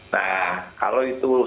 nah kalau itu sangat